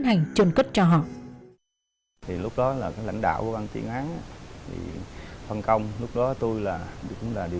hãy chào và hẹn gặp lại